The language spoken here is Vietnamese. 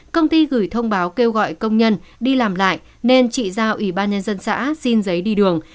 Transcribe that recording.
công ty gửi thông báo kêu gọi công nhân đi làm lại nên chị giao ủy ban nhân dân xã xin giấy đi đường